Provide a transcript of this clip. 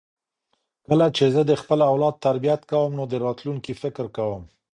کله چې زه د خپل اولاد تربیت کوم نو د راتلونکي فکر کوم.